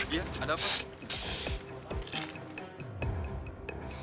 iya ada apa